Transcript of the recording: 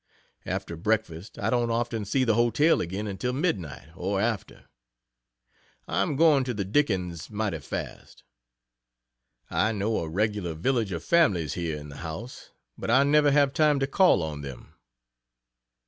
After breakfast, I don't often see the hotel again until midnight or after. I am going to the Dickens mighty fast. I know a regular village of families here in the house, but I never have time to call on them.